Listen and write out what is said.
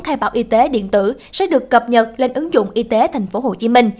khai báo y tế điện tử sẽ được cập nhật lên ứng dụng y tế tp hcm